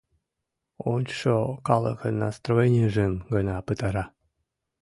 Ончышо калыкын настроенийжым гына пытара.